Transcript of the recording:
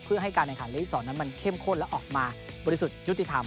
เพื่อให้การแข่งขันลีก๒นั้นมันเข้มข้นและออกมาบริสุทธิ์ยุติธรรม